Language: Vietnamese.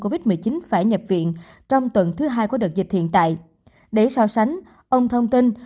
covid một mươi chín phải nhập viện trong tuần thứ hai của đợt dịch hiện tại để so sánh ông thông tin